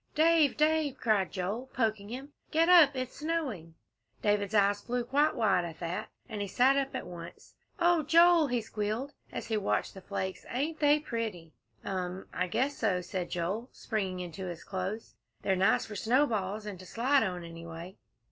"Dave Dave!" cried Joel, poking him, "get up it's snowing!" David's eyes flew quite wide at that, and he sat up at once. "Oh, Joel," he squealed, as he watched the flakes, "ain't they pretty!" "Um! I guess so," said Joel, springing into his clothes; "they're nice for snowballs and to slide on, anyway."